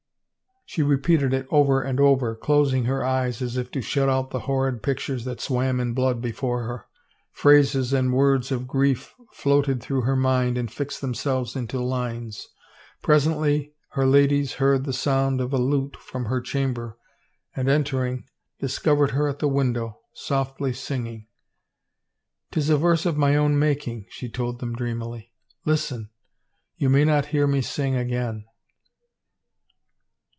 She repeated it over and over, 373 THE FAVOR OF KINGS closing her eyes as if to shut out the horrid pictures that swam in blood before her. Phrases and words of grief floated through her mind and fixed themselves into lines. Presently her ladies heard the sound of a lute from her chamber and entering, discovered her at the window, softly singing. " Tis a verse of my own making," she told them dreamily. " Listen ; you may not hear me sing again.